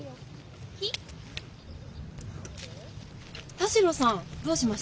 田代さんどうしました？